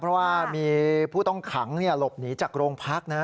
เพราะว่ามีผู้ต้องขังหลบหนีจากโรงพักนะ